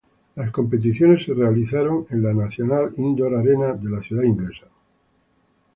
Las competiciones se realizaron en la National Indoor Arena de la ciudad inglesa.